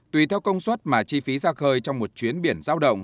tùy theo công suất mà chi phí ra khơi trong một chuyến biển giao động